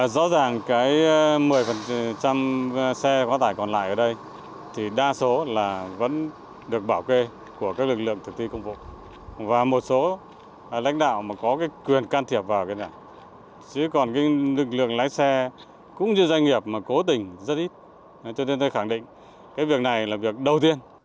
rõ ràng cái một mươi xe quá tải còn lại ở đây thì đa số là vẫn được bảo kê của các lực lượng thực tế công vụ